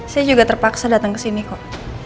saya juga terpaksa datang ke sini kok